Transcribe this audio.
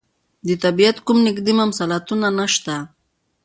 د طبعیت کوم نږدې مماثلاتونه نشته.